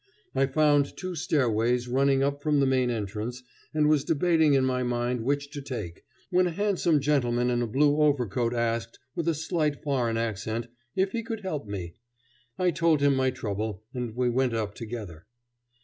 I found two stairways running up from the main entrance, and was debating in my mind which to take, when a handsome gentleman in a blue overcoat asked, with a slight foreign accent, if he could help me. I told him my trouble, and we went up together.